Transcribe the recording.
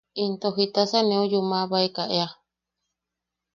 Into jitasa ne yuumabaeka ea.